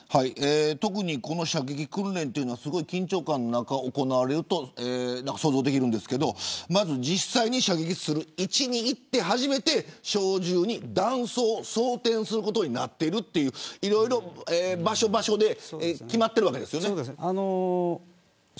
特に射撃訓練はすごい緊張感の中行われると想像できるんですけど実際に射撃する位置に行って初めて小銃に弾倉を装填することになっているといういろいろ場所で決まっているわけですよね。